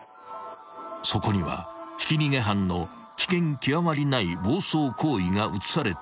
［そこにはひき逃げ犯の危険極まりない暴走行為が写されていた］